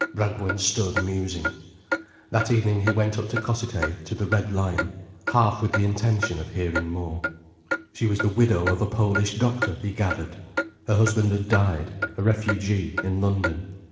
Brangwen stood musing. That evening he went up to Cossethay to the "Red Lion", half with the intention of hearing more. She was the widow of a Polish doctor, he gathered. Her husband had died, a refugee, in London.